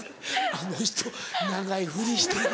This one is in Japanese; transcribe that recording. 「あの人長いふりしてはる」。